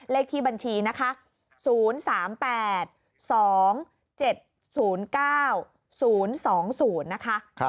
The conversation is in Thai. เลขที่บัญชีนะคะ๐๓๘๒๗๐๙๐๒๐นะคะ